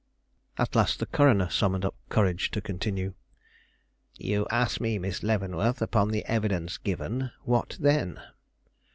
At last the coroner summoned up courage to continue. "You ask me, Miss Leavenworth, upon the evidence given, what then?